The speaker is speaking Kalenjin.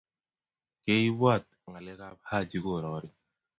kii ye ibwaat ngalekab Haji korori.